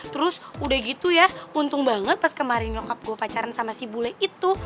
terus udah gitu ya untung banget pas kemarin lengkap gue pacaran sama si bule itu